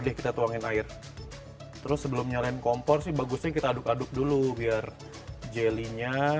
deh kita tuangin air terus sebelum nyalain kompor sih bagusnya kita aduk aduk dulu biar jelinya